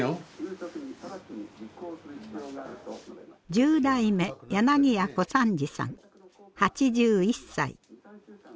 十代目柳家小三治さん８１歳。